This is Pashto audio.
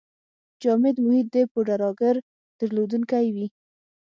جامد محیط د پوډراګر درلودونکی وي.